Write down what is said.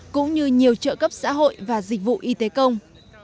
cũng như nhiều trợ cấp xã hội và dịch vụ y tế công